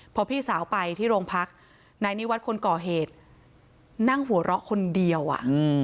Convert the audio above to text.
พอพี่สาวไปที่โรงพักนายนิวัตรคนก่อเหตุนั่งหัวเราะคนเดียวอ่ะ